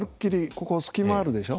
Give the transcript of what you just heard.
ここ隙間ないでしょ。